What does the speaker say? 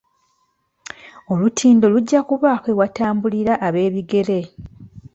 Olutindo lujja kubaako ewatambulira ab'ebigere.